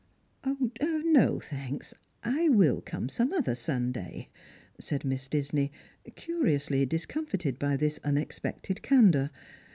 "No, thanks. I will come some other Sunday," said Miss Disney, curiously discomfited by this unexpected candour.